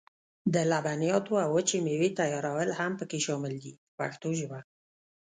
د لبنیاتو او وچې مېوې تیارول هم پکې شامل دي په پښتو ژبه.